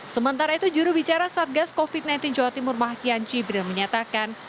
sementara itu jurubicara satgas covid sembilan belas jawa timur mahakian cibril menyatakan